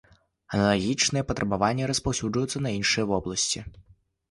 Аналагічныя патрабаванні распаўсюджваюцца на іншыя вобласці.